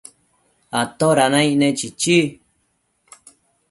¿toda naicne?chichi